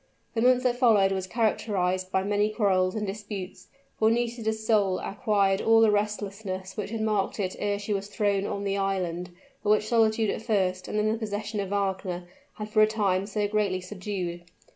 The month that followed was characterized by many quarrels and disputes; for Nisida's soul acquired all the restlessness which had marked it ere she was thrown on the island, but which solitude at first and then the possession of Wagner, had for a time so greatly subdued.